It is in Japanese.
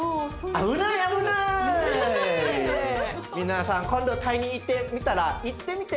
皆さん今度タイに行ってみたら行ってみて。